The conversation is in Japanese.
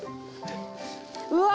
うわ！